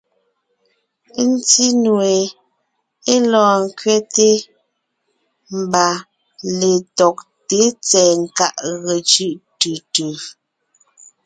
Ńtí nue (é lɔɔn ńkẅɛte mbà) letɔgté tsɛ̀ɛ nkáʼ ge cʉ́ʼ tʉ tʉ.